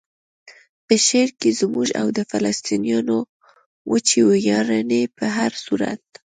په شعر کې زموږ او د فلسطینیانو وچې ویاړنې په هر صورت.